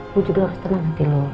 lu juga harus tenang nanti lu ya